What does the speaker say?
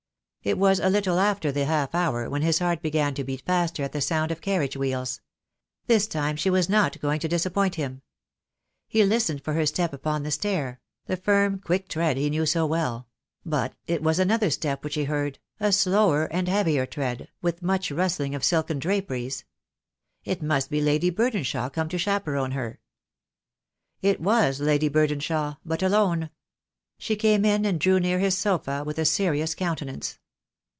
It was a little after the half hour, when his heart began to beat faster at the sound of carriage wheels. This time she was not going to disappoint him. He listened for her step upon the stair — the firm, quick tread he knew so well; but it was another step which he heard, a slower and heavier tread, with much rustling of silken draperies. It must be Lady Burdenshaw come to chaperon her. It was Lady Burdenshaw, but alone. She came in and drew near his sofa with a serious countenance.